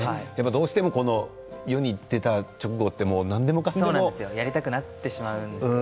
どうしても世に出た直後やりたくなってしまうんですよね。